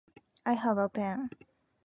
I have a pen.